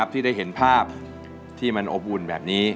ที่ได้เห็นภาพที่มันอบอุ่นแบบนี้